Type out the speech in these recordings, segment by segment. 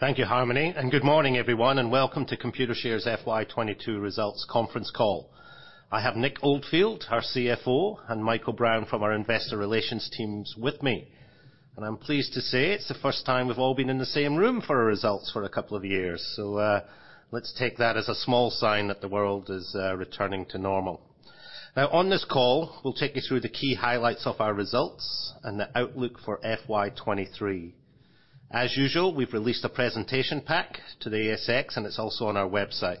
Thank you, Harmony, and good morning, everyone, and welcome to Computershare's FY 2022 results conference call. I have Nick Oldfield, our CFO, and Michael Brown from our investor relations team with me. I'm pleased to say it's the first time we've all been in the same room for our results for a couple of years. Let's take that as a small sign that the world is returning to normal. Now, on this call, we'll take you through the key highlights of our results and the outlook for FY 2023. As usual, we've released a presentation pack to the ASX, and it's also on our website.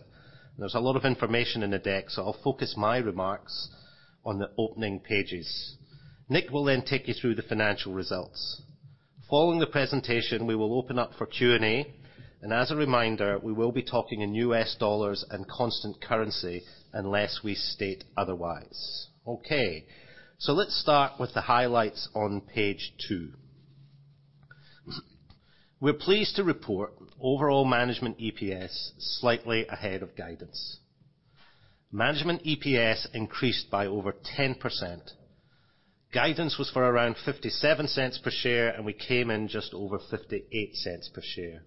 There's a lot of information in the deck, so I'll focus my remarks on the opening pages. Nick will then take you through the financial results. Following the presentation, we will open up for Q&A. As a reminder, we will be talking in US dollars and constant currency unless we state otherwise. Okay, let's start with the highlights on page two. We're pleased to report overall management EPS slightly ahead of guidance. Management EPS increased by over 10%. Guidance was for around $0.57 per share, and we came in just over $0.58 per share.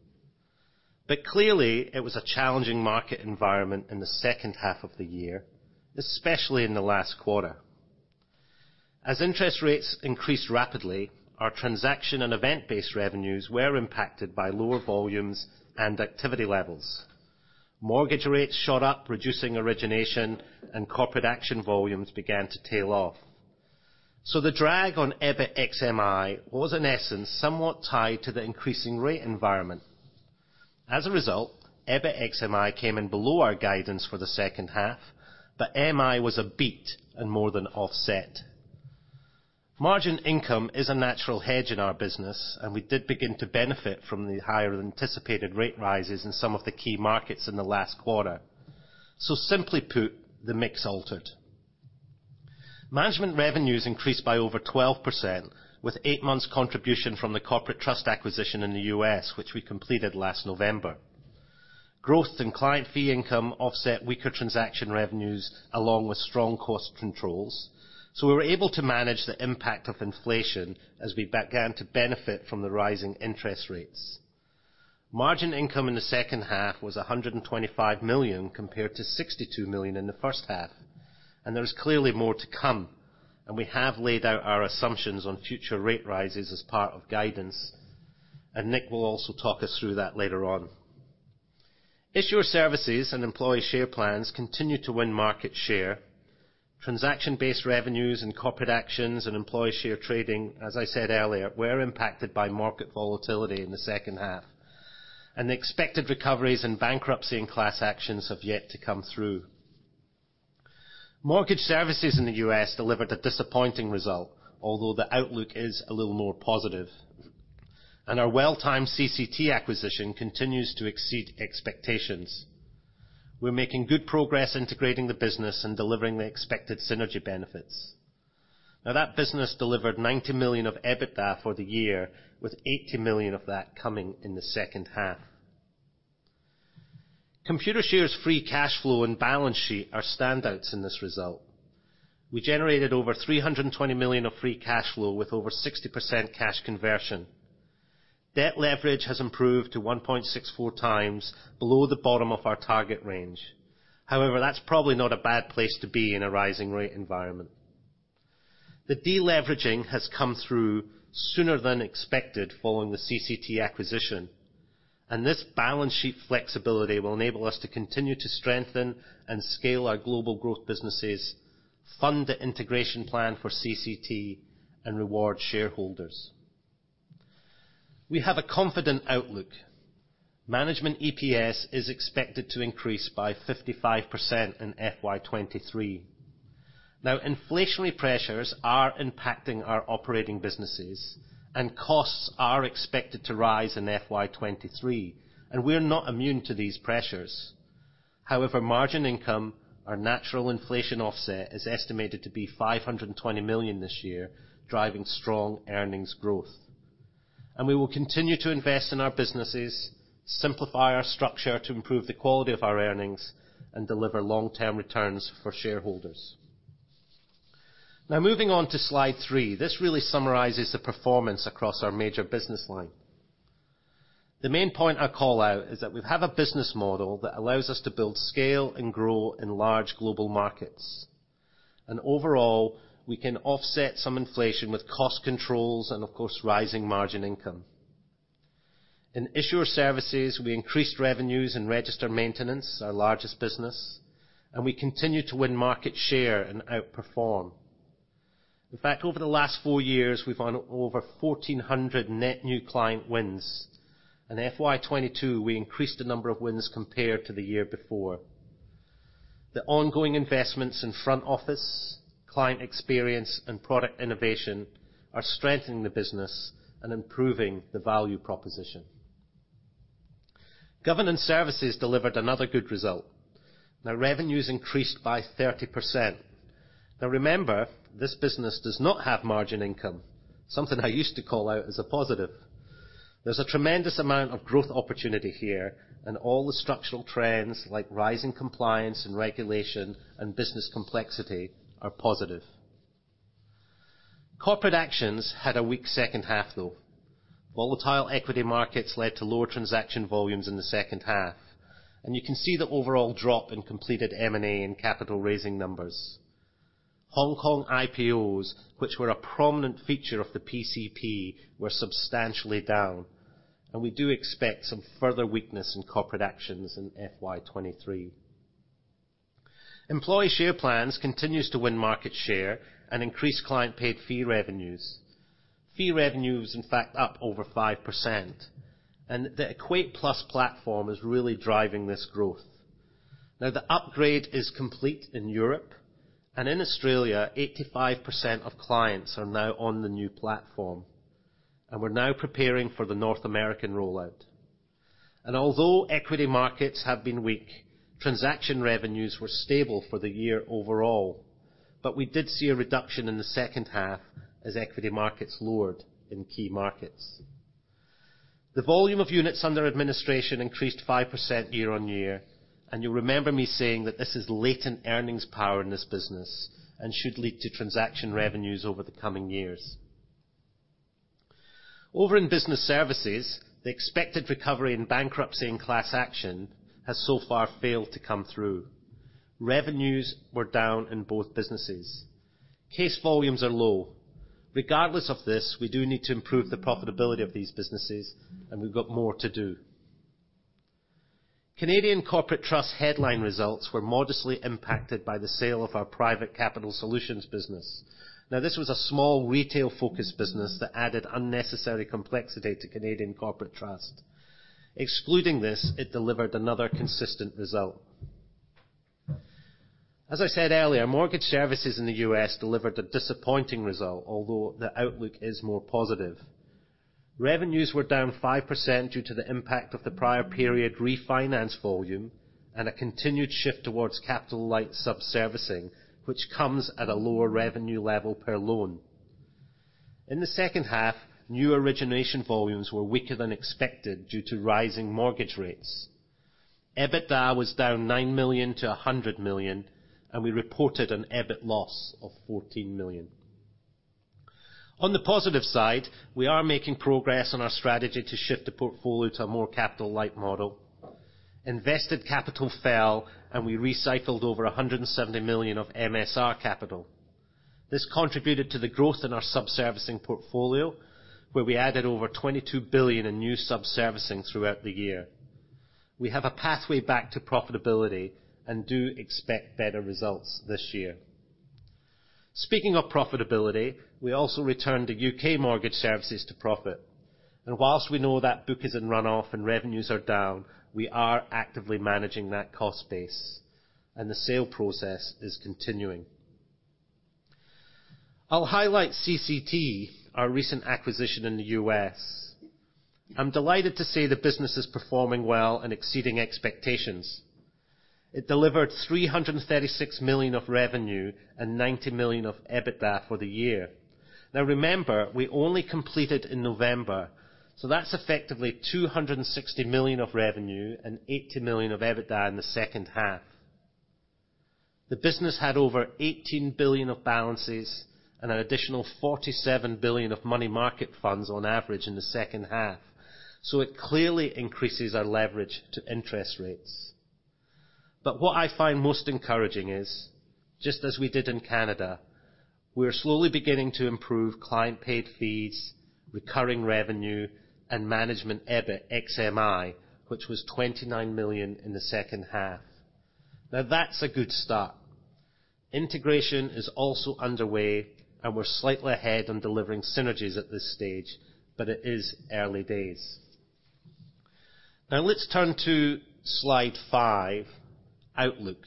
Clearly, it was a challenging market environment in the second half of the year, especially in the last quarter. As interest rates increased rapidly, our transaction and event-based revenues were impacted by lower volumes and activity levels. Mortgage rates shot up, reducing origination, and corporate action volumes began to tail off. The drag EBIT ex MI was, in essence, somewhat tied to the increasing rate environment. As a EBIT ex MI came in below our guidance for the second half, but MI was a beat and more than offset. Margin income is a natural hedge in our business, and we did begin to benefit from the higher-than-anticipated rate rises in some of the key markets in the last quarter. Simply put, the mix altered. Management revenues increased by over 12%, with eight months contribution from the corporate trust acquisition in the U.S., which we completed last November. Growth in client fee income offset weaker transaction revenues along with strong cost controls. We were able to manage the impact of inflation as we began to benefit from the rising interest rates. Margin income in the second half was $125 million compared to $62 million in the first half. There was clearly more to come. We have laid out our assumptions on future rate rises as part of guidance. Nick will also talk us through that later on. Issuer Services and employee share plans continue to win market share. Transaction-based revenues in corporate actions and employee share trading, as I said earlier, were impacted by market volatility in the second half, and the expected recoveries in bankruptcy and class actions have yet to come through. Mortgage Services in the U.S. delivered a disappointing result, although the outlook is a little more positive. Our well-timed CCT acquisition continues to exceed expectations. We're making good progress integrating the business and delivering the expected synergy benefits. Now, that business delivered $90 million of EBITDA for the year, with $80 million of that coming in the second half. Computershare's free cash flow and balance sheet are standouts in this result. We generated over $320 million of free cash flow with over 60% cash conversion. Debt leverage has improved to 1.64 times below the bottom of our target range. However, that's probably not a bad place to be in a rising rate environment. The deleveraging has come through sooner than expected following the CCT acquisition, and this balance sheet flexibility will enable us to continue to strengthen and scale our global growth businesses, fund the integration plan for CCT, and reward shareholders. We have a confident outlook. Management EPS is expected to increase by 55% in FY 2023. Now, inflationary pressures are impacting our operating businesses and costs are expected to rise in FY 2023, and we're not immune to these pressures. However, margin income, our natural inflation offset, is estimated to be $520 million this year, driving strong earnings growth. We will continue to invest in our businesses, simplify our structure to improve the quality of our earnings, and deliver long-term returns for shareholders. Now, moving on to slide three. This really summarizes the performance across our major business line. The main point I call out is that we have a business model that allows us to build scale and grow in large global markets. Overall, we can offset some inflation with cost controls and, of course, rising margin income. In Issuer Services, we increased revenues in register maintenance, our largest business, and we continue to win market share and outperform. In fact, over the last four years, we've won over 1,400 net new client wins. In FY 2022, we increased the number of wins compared to the year before. The ongoing investments in front office, client experience, and product innovation are strengthening the business and improving the value proposition. Governance Services delivered another good result. Now revenues increased by 30%. Now remember, this business does not have margin income, something I used to call out as a positive. There's a tremendous amount of growth opportunity here, and all the structural trends like rising compliance and regulation and business complexity are positive. Corporate actions had a weak second half, though. Volatile equity markets led to lower transaction volumes in the second half. You can see the overall drop in completed M&A and capital raising numbers. Hong Kong IPOs, which were a prominent feature of the PCP, were substantially down. We do expect some further weakness in corporate actions in FY 2023. Employee share plans continues to win market share and increase client paid fee revenues. Fee revenues, in fact, up over 5%. The EquatePlus platform is really driving this growth. Now, the upgrade is complete in Europe, and in Australia, 85% of clients are now on the new platform. We're now preparing for the North American rollout. Although equity markets have been weak, transaction revenues were stable for the year overall. We did see a reduction in the second half as equity markets lowered in key markets. The volume of units under administration increased 5% year-on-year. You remember me saying that this is latent earnings power in this business and should lead to transaction revenues over the coming years. Over in Business Services, the expected recovery in bankruptcy and class action has so far failed to come through. Revenues were down in both businesses. Case volumes are low. Regardless of this, we do need to improve the profitability of these businesses, and we've got more to do. Canadian Corporate Trust headline results were modestly impacted by the sale of our Private Capital Solutions business. Now, this was a small retail-focused business that added unnecessary complexity to Canadian Corporate Trust. Excluding this, it delivered another consistent result. As I said earlier, Mortgage Services in the U.S. delivered a disappointing result, although the outlook is more positive. Revenues were down 5% due to the impact of the prior period refinance volume and a continued shift towards capital-light sub-servicing, which comes at a lower revenue level per loan. In the second half, new origination volumes were weaker than expected due to rising mortgage rates. EBITDA was down $9 million-$100 million, and we reported an EBIT loss of $14 million. On the positive side, we are making progress on our strategy to shift the portfolio to a more capital-light model. Invested capital fell, and we recycled over $170 million of MSR capital. This contributed to the growth in our sub-servicing portfolio, where we added over $22 billion in new sub-servicing throughout the year. We have a pathway back to profitability and do expect better results this year. Speaking of profitability, we also returned the U.K. mortgage services to profit. While we know that book is in runoff and revenues are down, we are actively managing that cost base, and the sale process is continuing. I'll highlight CCT, our recent acquisition in the U.S. I'm delighted to say the business is performing well and exceeding expectations. It delivered $336 million of revenue and $90 million of EBITDA for the year. Now remember, we only completed in November, so that's effectively $260 million of revenue and $80 million of EBITDA in the second half. The business had over $18 billion of balances and an additional $47 billion of money market funds on average in the second half. It clearly increases our leverage to interest rates. What I find most encouraging is, just as we did in Canada, we are slowly beginning to improve client paid fees, recurring revenue, and EBIT ex MI, which was $29 million in the second half. Now that's a good start. Integration is also underway, and we're slightly ahead on delivering synergies at this stage, but it is early days. Now let's turn to slide five, outlook.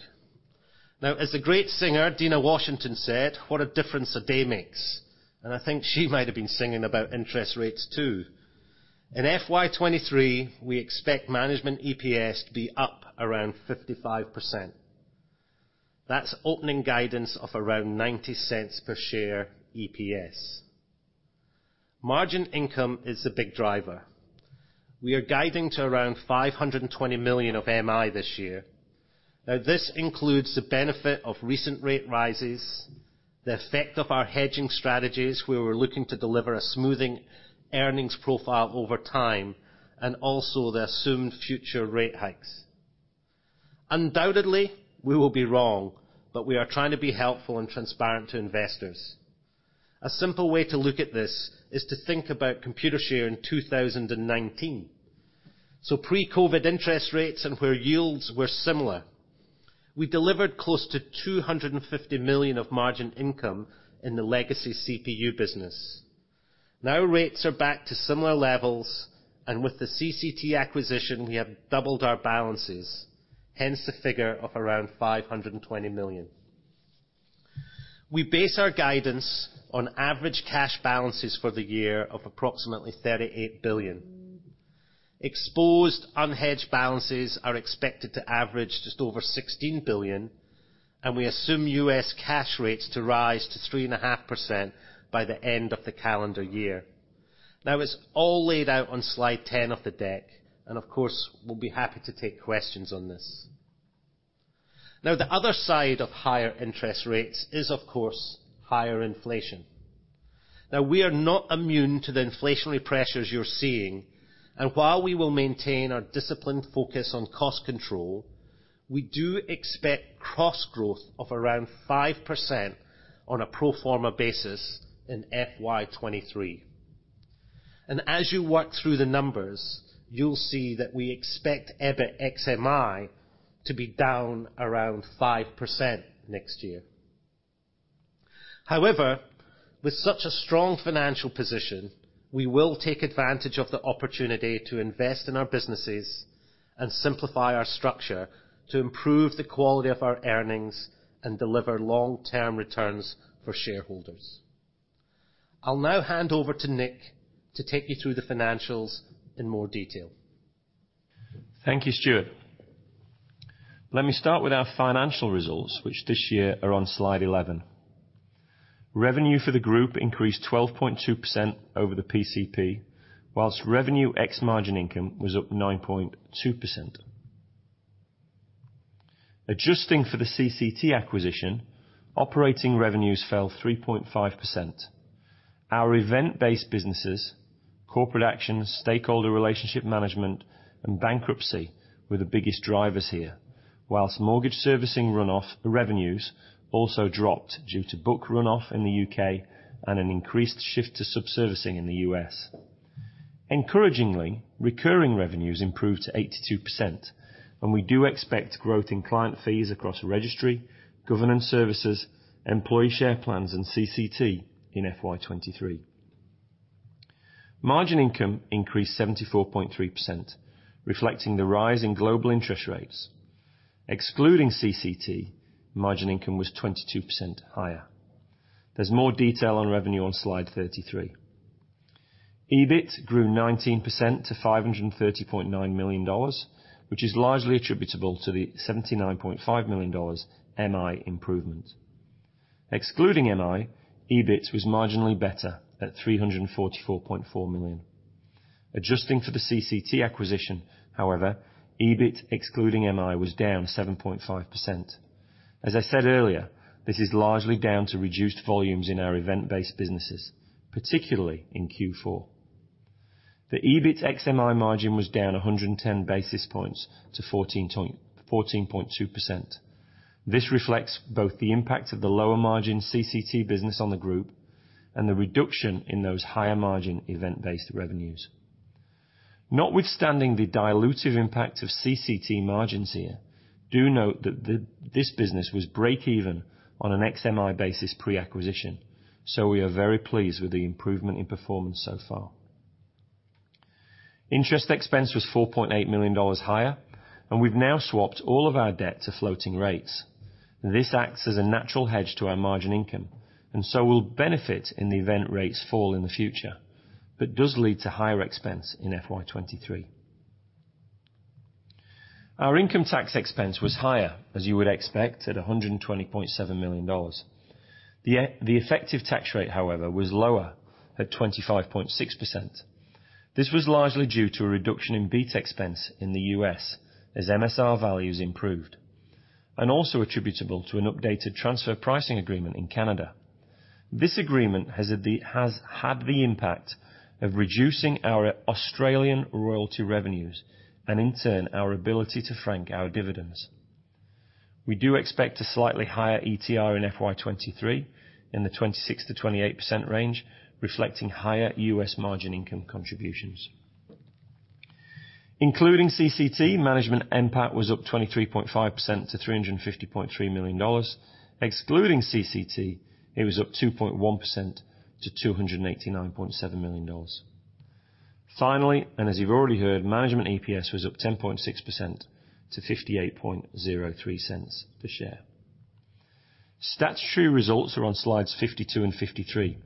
Now, as the great singer, Dinah Washington, said, "What a difference a day makes." I think she might have been singing about interest rates too. In FY 2023, we expect management EPS to be up around 55%. That's opening guidance of around $0.90 per share EPS. Margin income is the big driver. We are guiding to around $520 million of MI this year. This includes the benefit of recent rate rises, the effect of our hedging strategies, where we're looking to deliver a smoothing earnings profile over time, and also the assumed future rate hikes. Undoubtedly, we will be wrong, but we are trying to be helpful and transparent to investors. A simple way to look at this is to think about Computershare in 2019. Pre-COVID interest rates and where yields were similar. We delivered close to $250 million of margin income in the legacy CPU business. Rates are back to similar levels, and with the CCT acquisition, we have doubled our balances, hence the figure of around $520 million. We base our guidance on average cash balances for the year of approximately $38 billion. Exposed unhedged balances are expected to average just over $16 billion, and we assume US cash rates to rise to 3.5% by the end of the calendar year. It's all laid out on slide 10 of the deck, and of course, we'll be happy to take questions on this. The other side of higher interest rates is, of course, higher inflation. Now, we are not immune to the inflationary pressures you're seeing, and while we will maintain our disciplined focus on cost control, we do expect cost growth of around 5% on a pro forma basis in FY 2023. As you work through the numbers, you'll see that we EBIT ex MI to be down around 5% next year. However, with such a strong financial position, we will take advantage of the opportunity to invest in our businesses and simplify our structure to improve the quality of our earnings and deliver long-term returns for shareholders. I'll now hand over to Nick to take you through the financials in more detail. Thank you, Stuart. Let me start with our financial results, which this year are on slide 11. Revenue for the group increased 12.2% over the PCP, while revenue ex margin income was up 9.2%. Adjusting for the CCT acquisition, operating revenues fell 3.5%. Our event-based businesses, corporate actions, stakeholder relationship management, and bankruptcy were the biggest drivers here. While mortgage servicing run-off, the revenues also dropped due to book run-off in the U.K. and an increased shift to sub-servicing in the U.S. Encouragingly, recurring revenues improved to 82%, and we do expect growth in client fees across registry, governance services, employee share plans, and CCT in FY 2023. Margin income increased 74.3%, reflecting the rise in global interest rates. Excluding CCT, margin income was 22% higher. There's more detail on revenue on slide 33. EBIT grew 19% to $530.9 million, which is largely attributable to the $79.5 million MI improvement. Excluding MI, EBIT was marginally better at $344.4 million. Adjusting for the CCT acquisition, however, EBIT excluding MI was down 7.5%. This is largely down to reduced volumes in our event-based businesses, particularly in Q4. EBIT ex MI margin was down 110 basis points to 14.2%. This reflects both the impact of the lower margin CCT business on the group and the reduction in those higher margin event-based revenues. Notwithstanding the dilutive impact of CCT margins here, do note that this business was break even on an ex MI basis pre-acquisition. We are very pleased with the improvement in performance so far. Interest expense was $4.8 million higher, and we've now swapped all of our debt to floating rates. This acts as a natural hedge to our margin income, and so will benefit in the event rates fall in the future, but does lead to higher expense in FY 2023. Our income tax expense was higher, as you would expect, at $120.7 million. The effective tax rate, however, was lower at 25.6%. This was largely due to a reduction in BEAT expense in the U.S. as MSR values improved, and also attributable to an updated transfer pricing agreement in Canada. This agreement has had the impact of reducing our Australian royalty revenues and in turn, our ability to frank our dividends. We do expect a slightly higher ETR in FY 2023 in the 26%-28% range, reflecting higher U.S. margin income contributions. Including CCT, management NPAT was up 23.5% to $350.3 million. Excluding CCT, it was up 2.1% to $289.7 million. Finally, and as you've already heard, management EPS was up 10.6% to $0.5803 per share. Statutory results are on slides 52 and 53.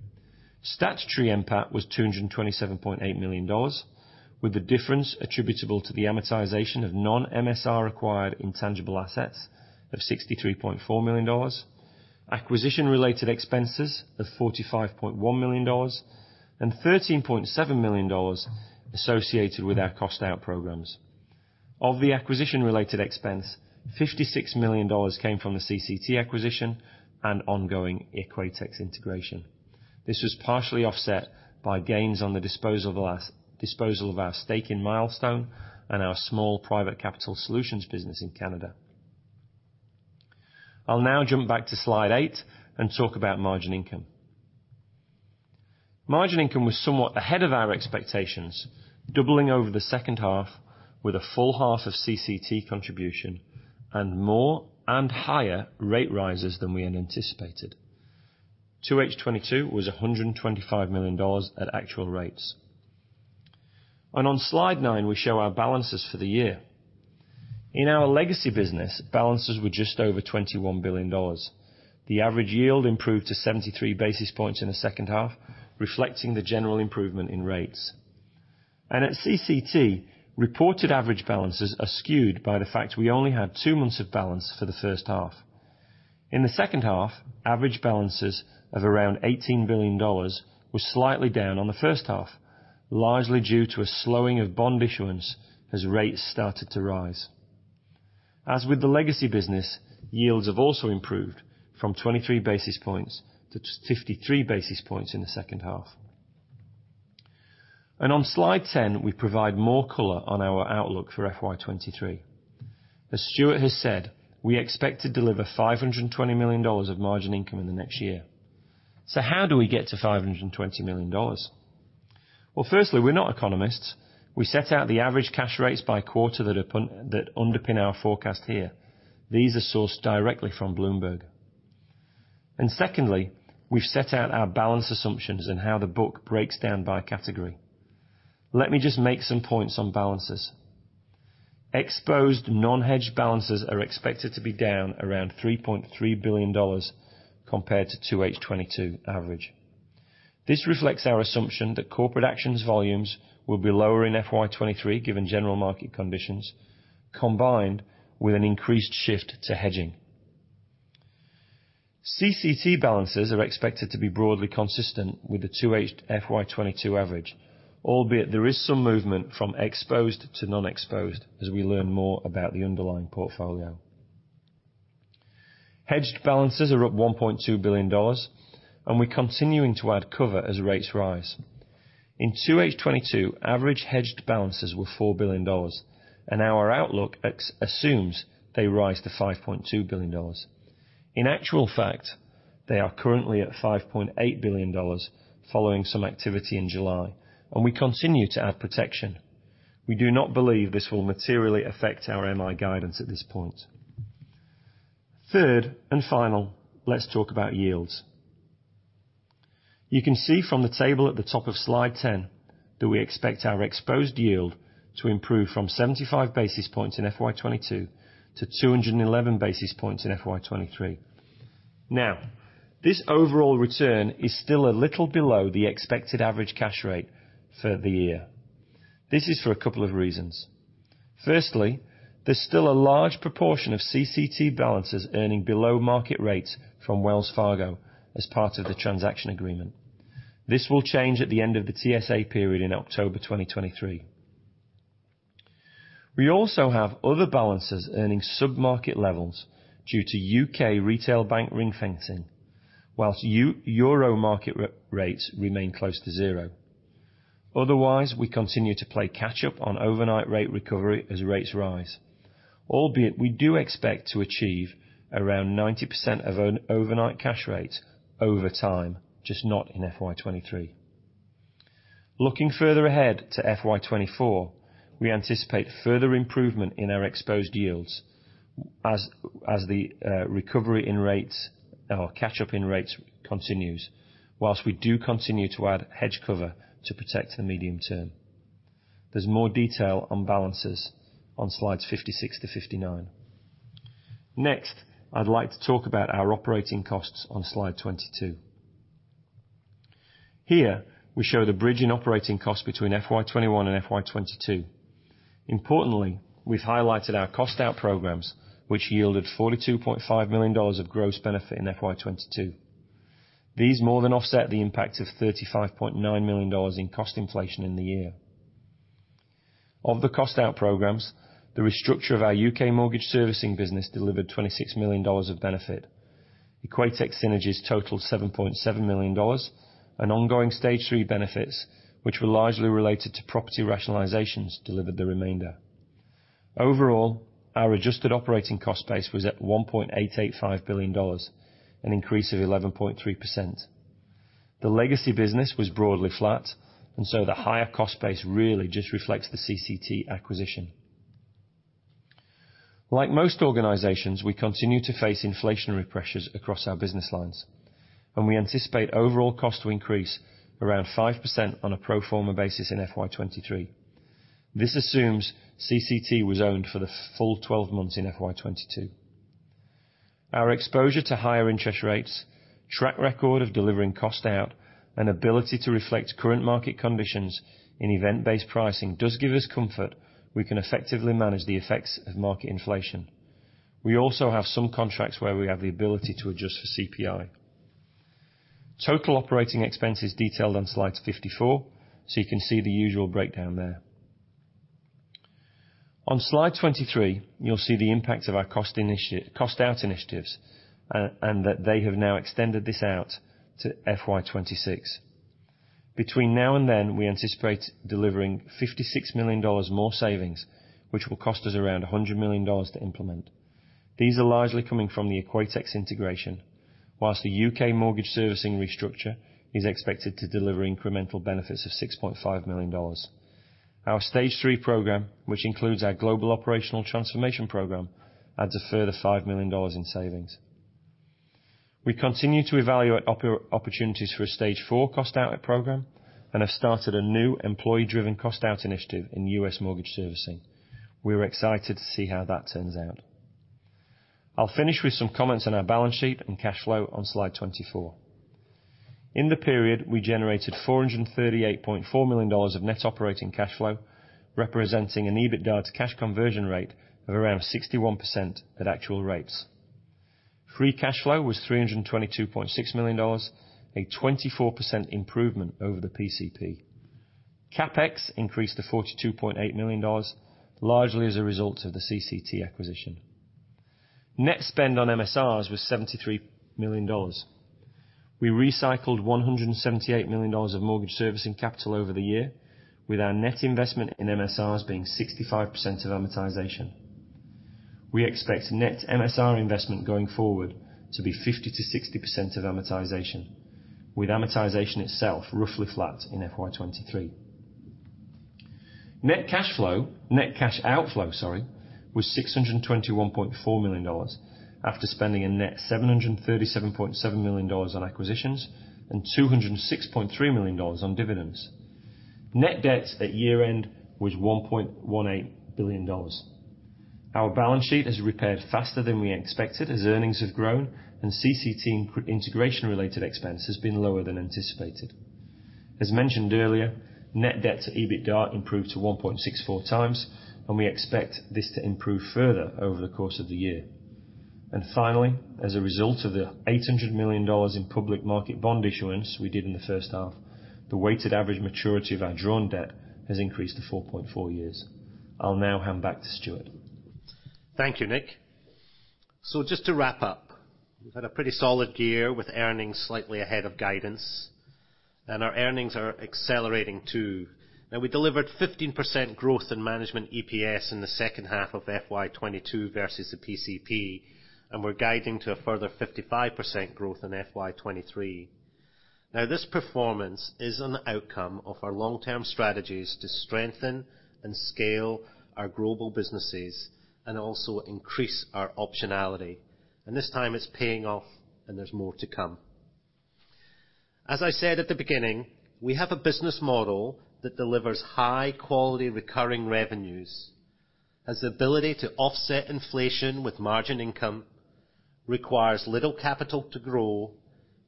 Statutory NPAT was $227.8 million, with the difference attributable to the amortization of non-MSR acquired intangible assets of $63.4 million, acquisition-related expenses of $45.1 million, and $13.7 million associated with our cost out programs. Of the acquisition related expense, $56 million came from the CCT acquisition and ongoing Equatex integration. This was partially offset by gains on the disposal of our stake in Milestone and our small private capital solutions business in Canada. I'll now jump back to slide eight and talk about margin income. Margin income was somewhat ahead of our expectations, doubling over the second half with a full half of CCT contribution and more and higher rate rises than we had anticipated. 2H 2022 was $125 million at actual rates. On slide nine, we show our balances for the year. In our legacy business, balances were just over $21 billion. The average yield improved to 73 basis points in the second half, reflecting the general improvement in rates. At CCT, reported average balances are skewed by the fact we only had two months of balance for the first half. In the second half, average balances of around $18 billion were slightly down on the first half, largely due to a slowing of bond issuance as rates started to rise. As with the legacy business, yields have also improved from 23 basis points to 53 basis points in the second half. On slide 10, we provide more color on our outlook for FY 2023. As Stuart has said, we expect to deliver $520 million of margin income in the next year. How do we get to $520 million? Well, firstly, we're not economists. We set out the average cash rates by quarter that underpin our forecast here. These are sourced directly from Bloomberg. Secondly, we've set out our balance assumptions and how the book breaks down by category. Let me just make some points on balances. Exposed non-hedged balances are expected to be down around $3.3 billion compared to 2H 2022 average. This reflects our assumption that corporate actions volumes will be lower in FY 2023 given general market conditions, combined with an increased shift to hedging. CCT balances are expected to be broadly consistent with the 2H FY 2022 average, albeit there is some movement from exposed to non-exposed as we learn more about the underlying portfolio. Hedged balances are up $1.2 billion, and we're continuing to add cover as rates rise. In 2H 2022, average hedged balances were $4 billion, and our outlook ex- assumes they rise to $5.2 billion. In actual fact, they are currently at $5.8 billion following some activity in July, and we continue to add protection. We do not believe this will materially affect our MI guidance at this point. Third and final, let's talk about yields. You can see from the table at the top of slide 10 that we expect our exposed yield to improve from 75 basis points in FY 2022 to 211 basis points in FY 2023. Now, this overall return is still a little below the expected average cash rate for the year. This is for a couple of reasons. Firstly, there's still a large proportion of CCT balances earning below market rates from Wells Fargo as part of the transaction agreement. This will change at the end of the TSA period in October 2023. We also have other balances earning sub-market levels due to UK retail bank ring-fencing, whilst euro market rates remain close to zero. Otherwise, we continue to play catch up on overnight rate recovery as rates rise, albeit we do expect to achieve around 90% of an overnight cash rate over time, just not in FY 2023. Looking further ahead to FY 2024, we anticipate further improvement in our exposed yields as the recovery in rates or catch up in rates continues, whilst we do continue to add hedge cover to protect the medium term. There's more detail on balances on slides 56 to 59. Next, I'd like to talk about our operating costs on slide 22. Here, we show the bridge in operating costs between FY 2021 and FY 2022. Importantly, we've highlighted our cost out programs, which yielded $42.5 million of gross benefit in FY 2022. These more than offset the impact of $35.9 million in cost inflation in the year. Of the cost out programs, the restructure of our U.K. mortgage servicing business delivered $26 million of benefit. Equatex synergies totaled $7.7 million, and ongoing stage three benefits, which were largely related to property rationalizations, delivered the remainder. Overall, our adjusted operating cost base was at $1.885 billion, an increase of 11.3%. The legacy business was broadly flat, and so the higher cost base really just reflects the CCT acquisition. Like most organizations, we continue to face inflationary pressures across our business lines, and we anticipate overall cost to increase around 5% on a pro forma basis in FY 2023. This assumes CCT was owned for the full 12 months in FY 2022. Our exposure to higher interest rates, track record of delivering cost out, and ability to reflect current market conditions in event-based pricing does give us comfort we can effectively manage the effects of market inflation. We also have some contracts where we have the ability to adjust for CPI. Total operating expenses detailed on slide 54, so you can see the usual breakdown there. On slide 23, you'll see the impact of our cost out initiatives, and that they have now extended this out to FY 2026. Between now and then, we anticipate delivering $56 million more savings, which will cost us around $100 million to implement. These are largely coming from the Equatex integration, whilst the UK mortgage servicing restructure is expected to deliver incremental benefits of $6.5 million. Our stage three program, which includes our global operational transformation program, adds a further $5 million in savings. We continue to evaluate opportunities for a stage four cost out program, and have started a new employee driven cost out initiative in U.S. mortgage servicing. We're excited to see how that turns out. I'll finish with some comments on our balance sheet and cash flow on slide 24. In the period, we generated $438.4 million of net operating cash flow, representing an EBITDA cash conversion rate of around 61% at actual rates. Free cash flow was $322.6 million, a 24% improvement over the PCP. CapEx increased to $42.8 million, largely as a result of the CCT acquisition. Net spend on MSRs was $73 million. We recycled $178 million of mortgage servicing capital over the year, with our net investment in MSRs being 65% of amortization. We expect net MSR investment going forward to be 50%-60% of amortization, with amortization itself roughly flat in FY 2023. Net cash outflow was $621.4 million after spending a net $737.7 million on acquisitions and $206.3 million on dividends. Net debt at year-end was $1.18 billion. Our balance sheet has repaired faster than we expected as earnings have grown and CCT integration-related expense has been lower than anticipated. As mentioned earlier, net debt to EBITDA improved to 1.64 times, and we expect this to improve further over the course of the year. Finally, as a result of the $800 million in public market bond issuance we did in the first half, the weighted average maturity of our drawn debt has increased to 4.4 years. I'll now hand back to Stuart. Thank you, Nick. Just to wrap up, we've had a pretty solid year with earnings slightly ahead of guidance, and our earnings are accelerating too. Now, we delivered 15% growth in management EPS in the second half of FY 2022 versus the PCP, and we're guiding to a further 55% growth in FY 2023. Now this performance is an outcome of our long-term strategies to strengthen and scale our global businesses and also increase our optionality. This time it's paying off and there's more to come. As I said at the beginning, we have a business model that delivers high-quality recurring revenues, has the ability to offset inflation with margin income, requires little capital to grow,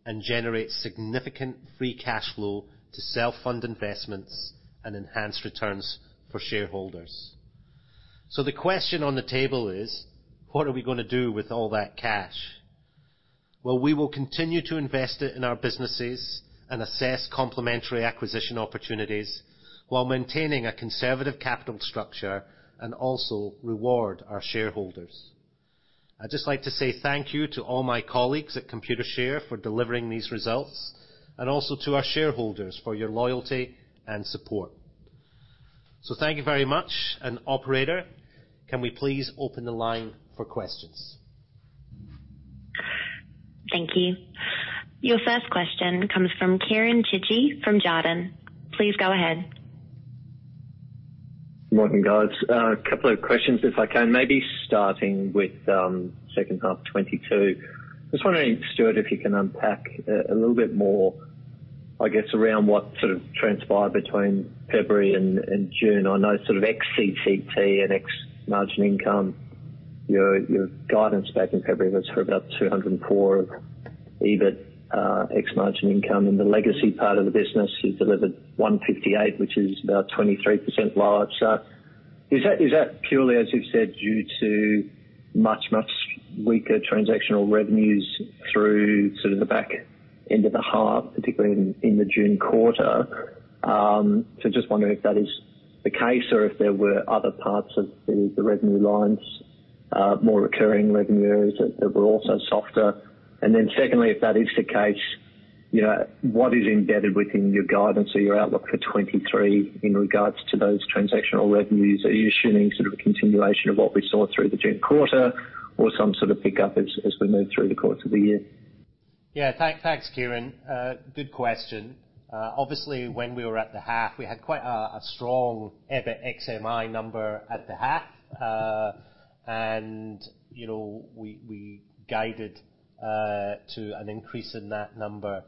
and generates significant free cash flow to self-fund investments and enhance returns for shareholders. The question on the table is. What are we gonna do with all that cash? Well, we will continue to invest it in our businesses and assess complementary acquisition opportunities while maintaining a conservative capital structure and also reward our shareholders. I'd just like to say thank you to all my colleagues at Computershare for delivering these results, and also to our shareholders for your loyalty and support. Thank you very much. Operator, can we please open the line for questions? Thank you. Your first question comes from Kieran Chidgey from Jarden. Please go ahead. Morning, guys. A couple of questions, if I can. Maybe starting with second half 2022. I was wondering, Stuart, if you can unpack a little bit more, I guess, around what sort of transpired between February and June. I know sort of ex CCT and ex margin income, your guidance back in February was for about $204 of EBIT, ex margin income. In the legacy part of the business, you delivered $158, which is about 23% lower. Is that purely, as you've said, due to much weaker transactional revenues through sort of the back end of the half, particularly in the June quarter? Just wondering if that is the case or if there were other parts of the revenue lines, more recurring revenue areas that were also softer. Secondly, if that is the case, you know, what is embedded within your guidance or your outlook for 2023 in regards to those transactional revenues? Are you assuming sort of a continuation of what we saw through the June quarter or some sort of pickup as we move through the course of the year? Thanks, Kieran. Good question. Obviously, when we were at the half, we had quite a EBIT ex MI number at the half. You know, we guided to an increase in that number.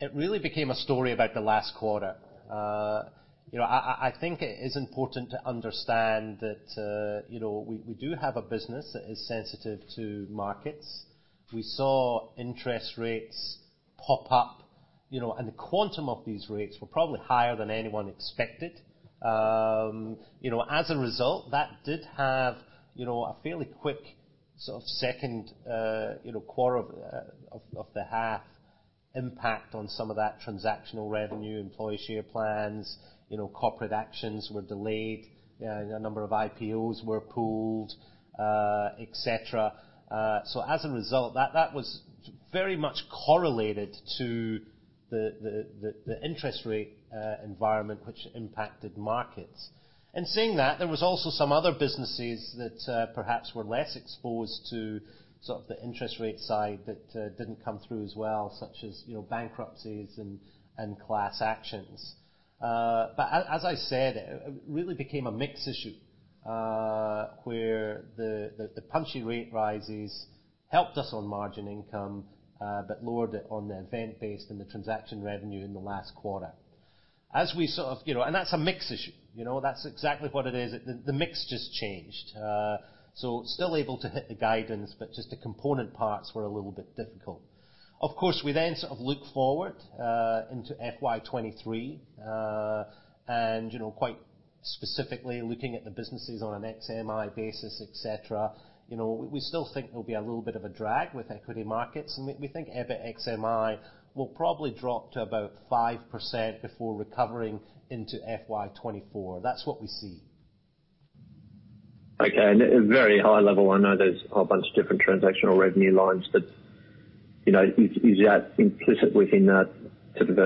It really became a story about the last quarter. You know, I think it is important to understand that, you know, we do have a business that is sensitive to markets. We saw interest rates pop up, you know, and the quantum of these rates were probably higher than anyone expected. You know, as a result, that did have, you know, a fairly quick sort of second quarter of the half impact on some of that transactional revenue, employee share plans. You know, corporate actions were delayed. A number of IPOs were pulled, etc. As a result, that was very much correlated to the interest rate environment which impacted markets. Saying that, there was also some other businesses that perhaps were less exposed to sort of the interest rate side that didn't come through as well, such as, you know, bankruptcies and class actions. As I said, it really became a mix issue, where the punchy rate rises helped us on margin income, but lowered it on the event based and the transaction revenue in the last quarter. You know, that's a mix issue. You know, that's exactly what it is. The mix just changed. Still able to hit the guidance, but just the component parts were a little bit difficult. Of course, we then sort of look forward into FY 2023, and you know, quite specifically looking at the businesses on an ex MI basis, etc. You know, we still think there'll be a little bit of a drag with equity markets, and we think ex MI will probably drop to about 5% before recovering into FY 2024. That's what we see. Okay. At a very high level, I know there's a whole bunch of different transactional revenue lines, but, you know, is that implicit within that sort of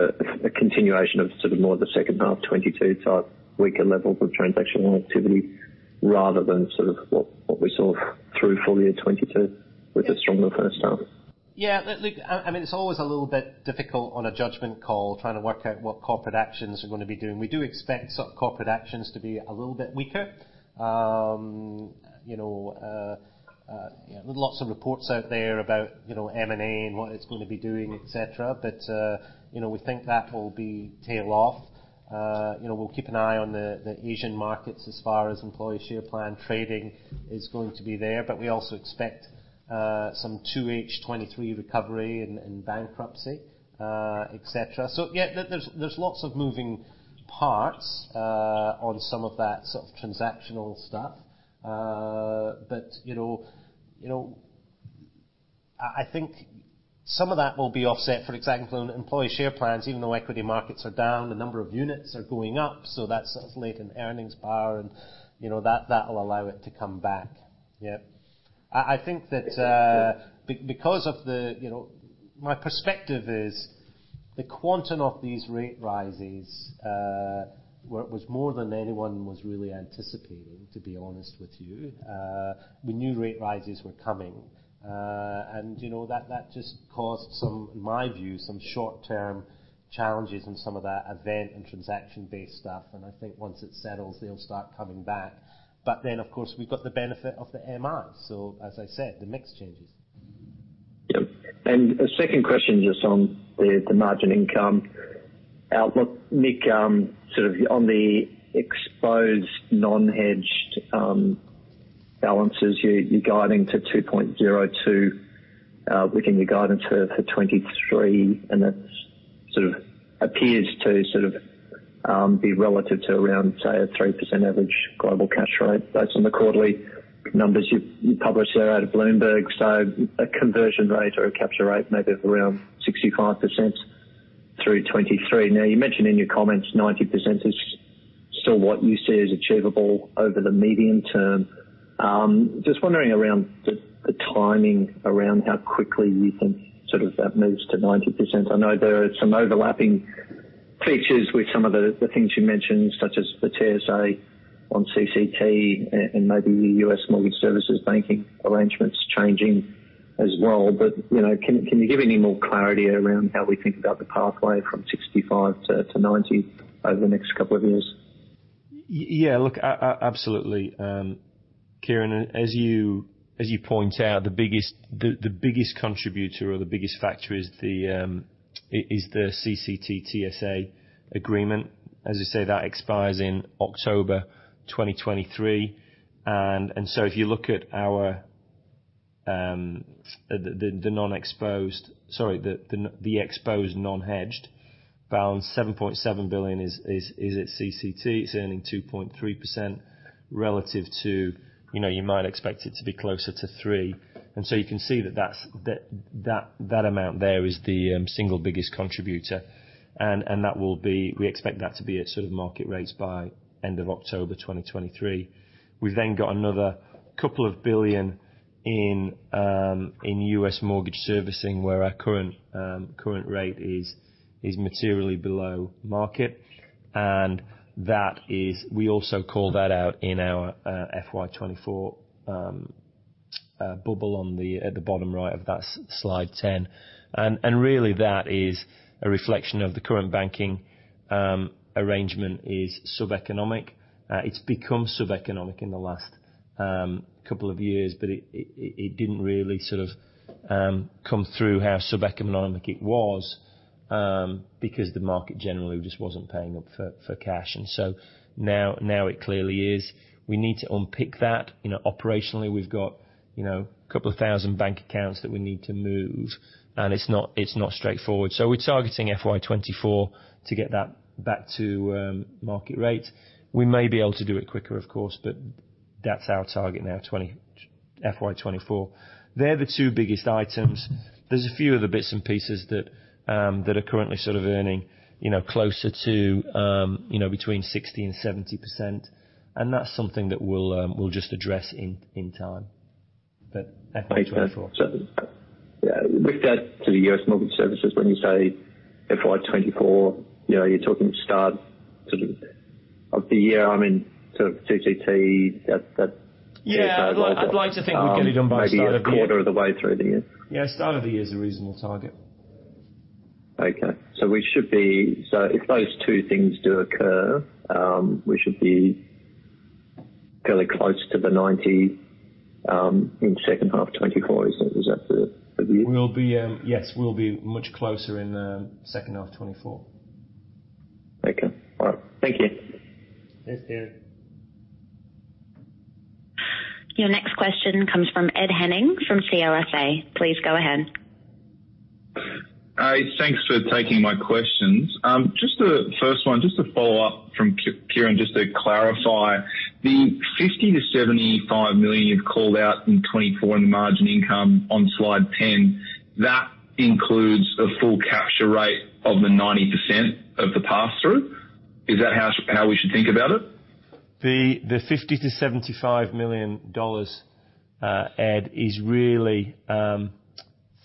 a continuation of sort of more the second half 2022 type weaker levels of transactional activity rather than sort of what we saw through full year 2022 with the stronger first half? Yeah. Look, I mean, it's always a little bit difficult on a judgment call, trying to work out what corporate actions are gonna be doing. We do expect sort of corporate actions to be a little bit weaker. You know, lots of reports out there about, you know, M&A and what it's gonna be doing, et cetera. You know, we think that will tail off. You know, we'll keep an eye on the Asian markets as far as employee share plan trading is going to be there, but we also expect some 2H 2023 recovery and bankruptcy, et cetera. Yeah, there's lots of moving parts on some of that sort of transactional stuff. You know, I think some of that will be offset for employee share plans even though equity markets are down, the number of units are going up, so that's sort of latent in earnings power and, you know, that will allow it to come back. Yeah. I think that, because of the quantum of these rate rises, was more than anyone was really anticipating, to be honest with you. We knew rate rises were coming. You know, that just caused some, in my view, some short-term challenges in some of that event- and transaction-based stuff, and I think once it settles, they'll start coming back. Of course, we've got the benefit of the MSRs. As I said, the mix changes. Yeah. A second question just on the margin income outlook. Nick, sort of on the exposed non-hedged balances, you're guiding to 2.02 within your guidance for 2023, and that sort of appears to be relative to around, say, a 3% average global cash rate based on the quarterly numbers you published there out of Bloomberg. So a conversion rate or a capture rate maybe of around 65% through 2023. Now you mentioned in your comments 90% is still what you see is achievable over the medium term. Just wondering around the timing around how quickly you think sort of that moves to 90%. I know there are some overlapping features with some of the things you mentioned, such as the TSA on CCT and maybe the U.S. Mortgage Services banking arrangements changing as well. You know, can you give any more clarity around how we think about the pathway from 65 to 90 over the next couple of years? Yeah, look, absolutely. Kieran, as you point out, the biggest contributor or the biggest factor is the CCT TSA agreement. As you say, that expires in October 2023. If you look at our exposed non-hedged balance, $7.7 billion is at CCT. It's earning 2.3% relative to, you know, you might expect it to be closer to 3%. You can see that that amount there is the single biggest contributor. We expect that to be at sort of market rates by end of October 2023. We've then got another couple of billion in US mortgage servicing where our current rate is materially below market. That is, we also call that out in our FY 2024 bubble at the bottom right of that slide 10. Really that is a reflection of the current banking arrangement is sub-economic. It's become sub-economic in the last couple of years, but it didn't really sort of come through how sub-economic it was, because the market generally just wasn't paying up for cash. Now it clearly is. We need to unpick that. You know, operationally, we've got, you know, a couple thousand bank accounts that we need to move, and it's not straightforward. We're targeting FY 2024 to get that back to market rate. We may be able to do it quicker of course, but that's our target now, FY 2024. They're the two biggest items. There's a few other bits and pieces that are currently sort of earning, you know, closer to, you know, between 60% and 70%. That's something that we'll just address in time. FY 2024. With that to the U.S. Mortgage Services, when you say FY 2024, you know, you're talking start sort of the year, I mean, sort of CCT, that. Yeah. I'd like to think we'd get it done by start of the year. Maybe a quarter of the way through the year. Yeah, start of the year is a reasonable target. If those two things do occur, we should be fairly close to the 90 in second half 2024. Is that the- Yes, we'll be much closer in the second half of 2024. Okay. All right. Thank you. Thanks, Kieran. Your next question comes from Ed Henning from CLSA. Please go ahead. Thanks for taking my questions. Just the first one. Just to follow up from Kieran, just to clarify, the $50 million-$75 million you've called out in 2024 in the margin income on slide 10, that includes a full capture rate of the 90% of the pass-through. Is that how we should think about it? $50 million-$75 million, Ed, is really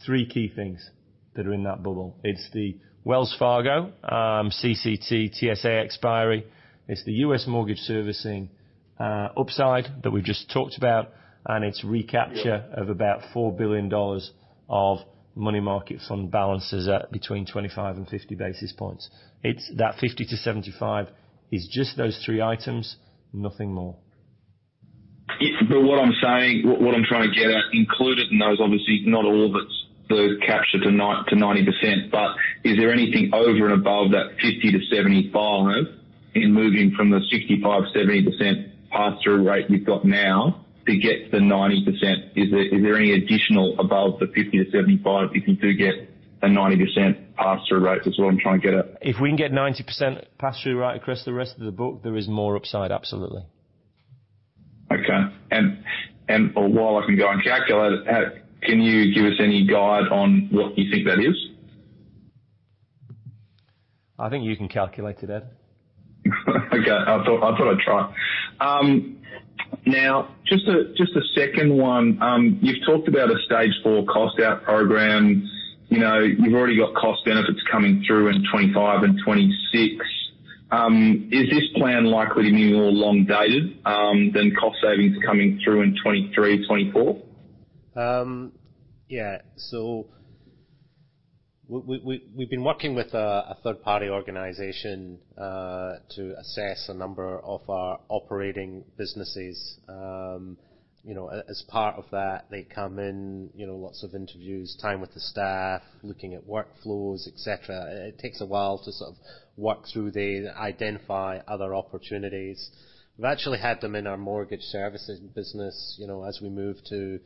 three key things that are in that bubble. It's the Wells Fargo CCT TSA expiry. It's the U.S. mortgage servicing upside that we've just talked about. It's recapture- Yeah. ...of about $4 billion of money market fund balances at between 25 and 50 basis points. It's that $50 million-$75 million is just those three items, nothing more. What I'm saying, what I'm trying to get at, included in those, obviously not all of it's been captured to 90%-90%. Is there anything over and above that $50 million-$75 million in moving from the 65%-70% pass-through rate you've got now to get to 90%? Is there any additional above the $50 milllion-$75 million if you do get a 90% pass-through rate? That's what I'm trying to get at. If we can get 90% pass-through rate across the rest of the book, there is more upside. Absolutely. Okay. While I can go and calculate it, can you give us any guide on what you think that is? I think you can calculate it, Ed. Okay. I thought I'd try. Now just a second one. You've talked about a stage four cost out program. You know, you've already got cost benefits coming through in 2025 and 2026. Is this plan likely to be more long dated than cost savings coming through in 2023, 2024? We've been working with a third party organization to assess a number of our operating businesses. You know, as part of that, they come in, you know, lots of interviews, time with the staff, looking at workflows, et cetera. It takes a while to sort of work through to identify other opportunities. We've actually had them in our Mortgage Services business, you know, as we move to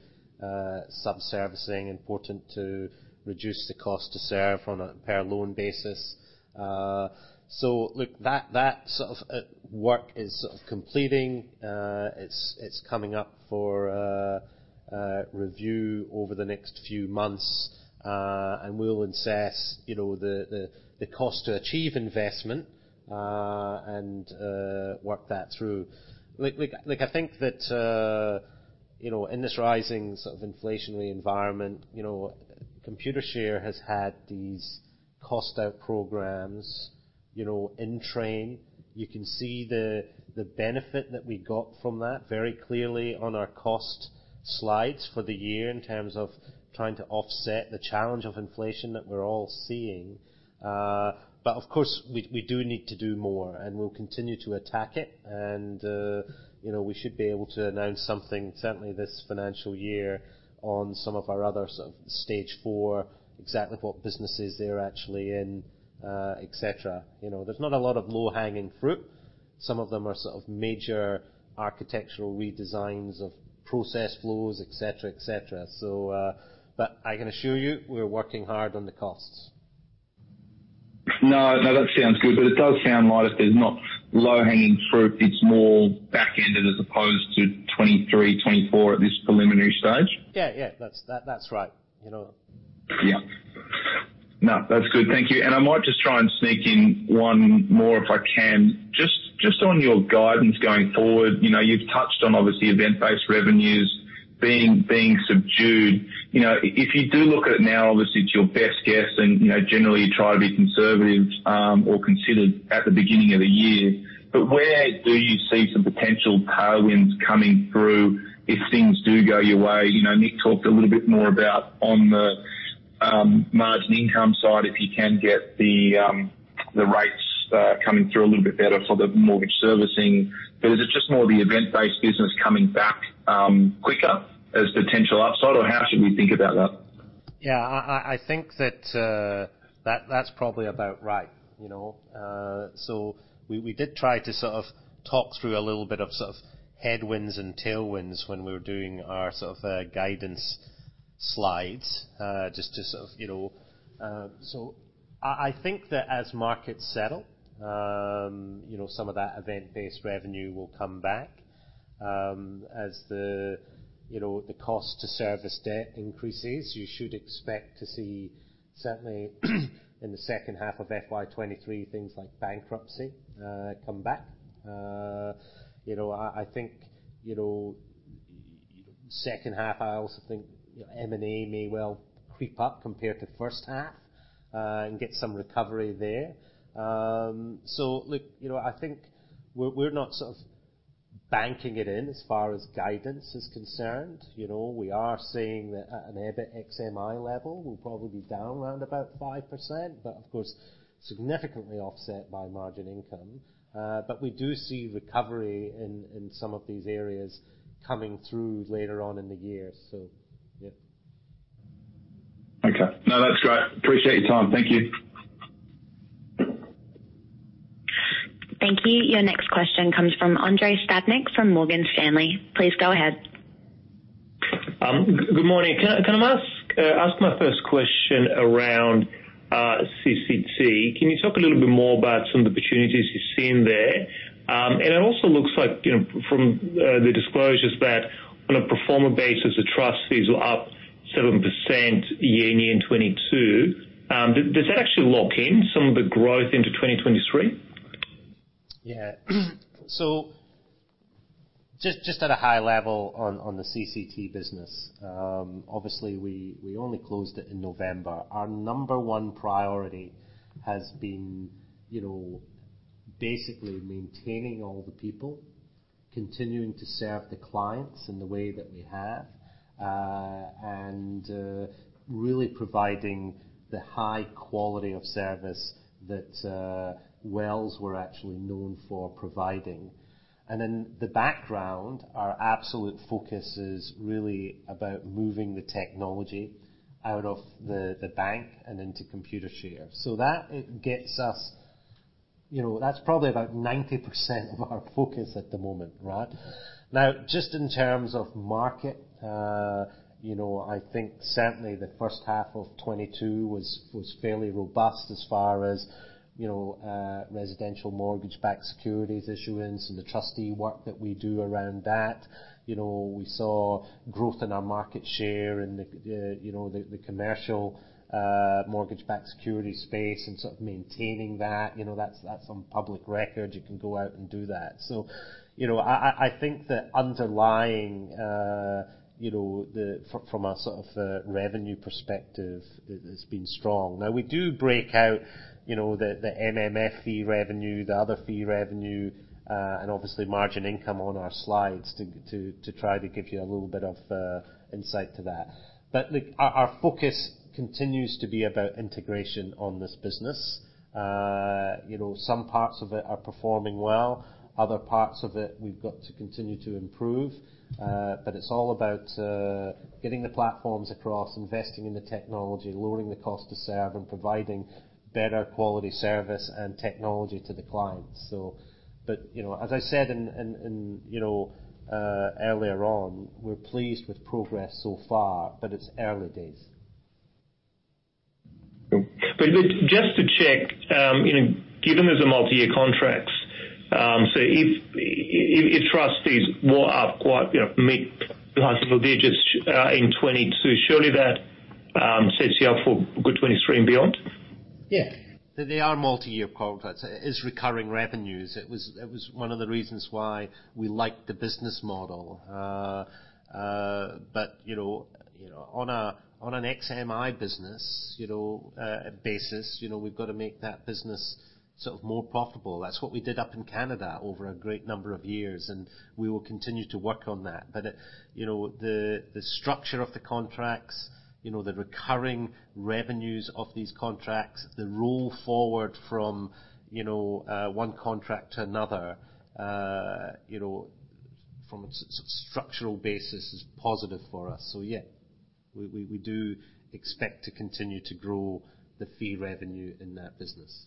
sub-servicing. Important to reduce the cost to serve on a per loan basis. Look, that sort of work is sort of completing. It's coming up for review over the next few months. We'll assess, you know, the cost to achieve investment and work that through. Look, I think that, you know, in this rising sort of inflationary environment, you know, Computershare has had these cost out programs, you know, in train. You can see the benefit that we got from that very clearly on our cost slides for the year in terms of trying to offset the challenge of inflation that we're all seeing. Of course, we do need to do more, and we'll continue to attack it. You know, we should be able to announce something certainly this financial year on some of our other sort of stage four, exactly what businesses they're actually in, et cetera. You know, there's not a lot of low-hanging fruit. Some of them are sort of major architectural redesigns of process flows, et cetera, et cetera. I can assure you, we're working hard on the costs. No, no, that sounds good. It does sound like if there's not low-hanging fruit, it's more back-ended as opposed to 2023, 2024 at this preliminary stage. Yeah. That's right. You know. Yeah. No, that's good. Thank you. I might just try and sneak in one more if I can. Just on your guidance going forward. You know, you've touched on obviously event-based revenues being subdued. You know, if you do look at it now, obviously it's your best guess and, you know, generally you try to be conservative or considered at the beginning of the year. Where do you see some potential tailwinds coming through if things do go your way? You know, Nick talked a little bit more about the margin income side, if you can get the rates coming through a little bit better for the mortgage servicing. Is it just more the event-based business coming back quicker as potential upside, or how should we think about that? Yeah. I think that's probably about right. You know, we did try to sort of talk through a little bit of sort of headwinds and tailwinds when we were doing our sort of guidance slides, just to sort of you know. I think that as markets settle, you know, some of that event-based revenue will come back. As the cost to service debt increases, you should expect to see certainly in the second half of FY 2023, things like bankruptcy come back. You know, I think, you know, second half, I also think, you know, M&A may well creep up compared to first half, and get some recovery there. Look, you know, I think we're not sort of banking it in as far as guidance is concerned. You know, we are seeing that at an EBIT ex MI level, we'll probably be down around about 5%, but of course, significantly offset by margin income. But we do see recovery in some of these areas coming through later on in the year. Yeah. Okay. No, that's great. Appreciate your time. Thank you. Thank you. Your next question comes from Andrei Stadnik from Morgan Stanley. Please go ahead. Good morning. Can I ask my first question around CCT? Can you talk a little bit more about some of the opportunities you're seeing there? It also looks like, you know, from the disclosures that on a pro forma basis, the trust fees were up 7% year-on-year in 2022. Does that actually lock in some of the growth into 2023? Yeah. Just at a high level on the CCT business. Obviously we only closed it in November. Our number one priority has been, you know, basically maintaining all the people, continuing to serve the clients in the way that we have, and really providing the high quality of service that Wells Fargo were actually known for providing. The background, our absolute focus is really about moving the technology out of the bank and into Computershare. That gets us. You know, that's probably about 90% of our focus at the moment, right? Now, just in terms of market, you know, I think certainly the first half of 2022 was fairly robust as far as, you know, residential mortgage-backed securities issuance and the trustee work that we do around that. You know, we saw growth in our market share and the commercial mortgage-backed securities space and sort of maintaining that. You know, that's on public record. You can go out and do that. You know, I think the underlying, you know, from a sort of revenue perspective, it's been strong. Now we do break out, you know, the MMF fee revenue, the other fee revenue, and obviously margin income on our slides to try to give you a little bit of insight to that. But our focus continues to be about integration on this business. You know, some parts of it are performing well, other parts of it we've got to continue to improve. It's all about getting the platforms across, investing in the technology, lowering the cost to serve, and providing better quality service and technology to the clients. You know, as I said in you know, earlier on, we're pleased with progress so far, but it's early days. Just to check, you know, given there's a multi-year contracts, so if trustees were up quite, you know, mid-high single digits in 2022, surely that sets you up for good 2023 and beyond. Yeah. They are multi-year contracts. It's recurring revenues. It was one of the reasons why we liked the business model. You know, on ex MI business basis, you know, we've got to make that business sort of more profitable. That's what we did up in Canada over a great number of years, and we will continue to work on that. You know, the structure of the contracts, you know, the recurring revenues of these contracts, the roll forward from one contract to another, you know, from sort of structural basis is positive for us. Yeah, we do expect to continue to grow the fee revenue in that business.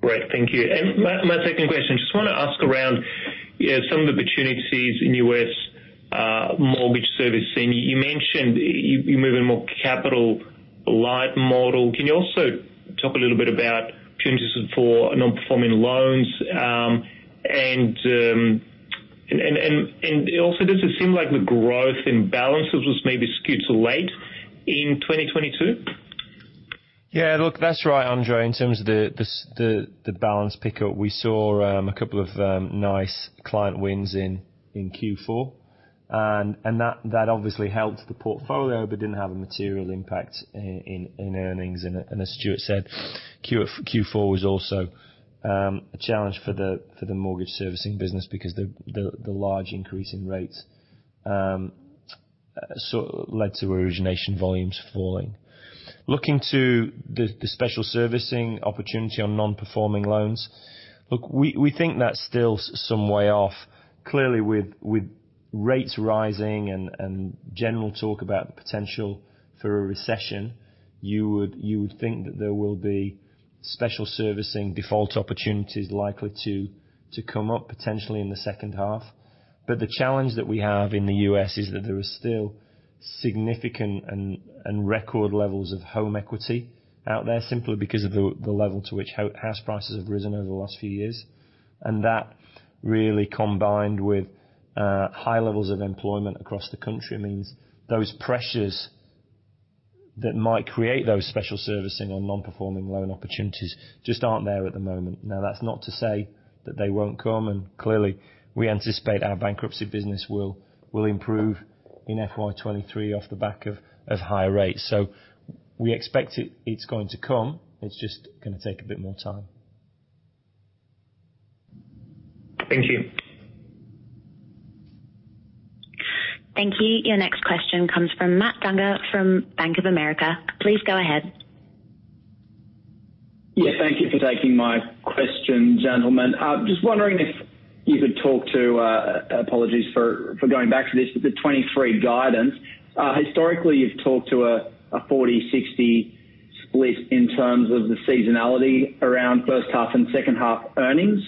Great. Thank you. My second question, just wanna ask around some of the opportunities in U.S. mortgage servicing. You mentioned you're moving more capital-light model. Can you also talk a little bit about opportunities for non-performing loans? Also, does it seem like the growth in balances was maybe skewed to late in 2022? Yeah. Look, that's right, Andrei, in terms of the balance pickup. We saw a couple of nice client wins in Q4, and that obviously helped the portfolio, but didn't have a material impact in earnings. As Stuart said, Q4 was also a challenge for the mortgage servicing business because the large increase in rates sort of led to origination volumes falling. Looking to the special servicing opportunity on non-performing loans, look, we think that's still some way off. Clearly, with rates rising and general talk about the potential for a recession, you would think that there will be special servicing default opportunities likely to come up potentially in the second half. The challenge that we have in the U.S. is that there is still significant and record levels of home equity out there simply because of the level to which house prices have risen over the last few years. That really combined with high levels of employment across the country means those pressures that might create those special servicing on non-performing loan opportunities just aren't there at the moment. Now, that's not to say that they won't come, and clearly we anticipate our bankruptcy business will improve in FY 2023 off the back of higher rates. We expect it's going to come. It's just gonna take a bit more time. Thank you. Thank you. Your next question comes from Matt Dunger from Bank of America. Please go ahead. Yeah, thank you for taking my question, gentlemen. Just wondering if you could talk to apologies for going back to this, but the 2023 guidance. Historically, you've talked to a 40-60 split in terms of the seasonality around first half and second half earnings.